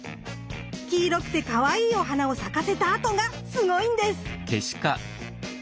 黄色くてかわいいお花を咲かせたあとがすごいんです。